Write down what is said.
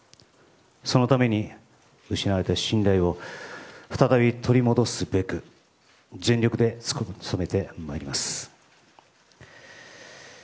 そのために失われた信頼を再び取り戻すべく全力で努めてまいります。